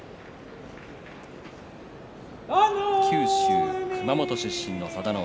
九州・熊本出身の佐田の海。